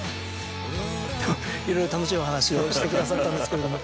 いろいろ楽しいお話をしてくださったんですけれども。